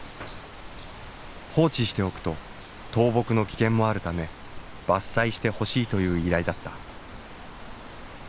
放置しておくと倒木の危険もあるため伐採してほしいという依頼だった。